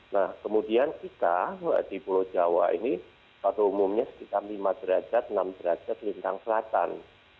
nah kemudian kita di pulau jawa ini pada umumnya sekitar lima derajat enam derajat lintang selatan